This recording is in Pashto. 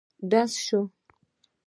ډز شو.